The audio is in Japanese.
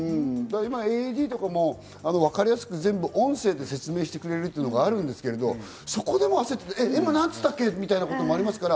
今、ＡＥＤとかもわかりやすく音声で説明してくれるのがあるんですけど、そこでも焦って、今なんつったっけ？みたいなこともありますから。